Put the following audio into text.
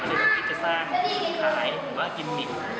ก็เลยเป็นคลิปจะสร้างขายหรือว่ากินมิตร